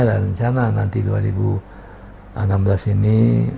ya memang saya dengan nyonya ada rencana nanti dua ribu enam belas ini